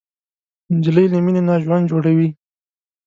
نجلۍ له مینې نه ژوند جوړوي.